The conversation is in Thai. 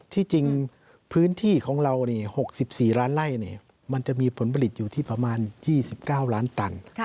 ที่จริงพื้นที่ของเรา๖๔ล้านไล่มันจะมีผลผลิตอยู่ที่ประมาณ๒๙ล้านตัน